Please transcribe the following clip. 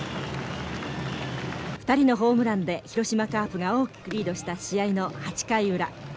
２人のホームランで広島カープが大きくリードした試合の８回裏。